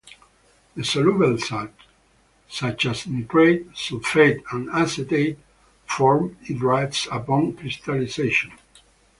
The soluble salts, such as nitrate, sulfate and acetate form hydrates upon crystallization.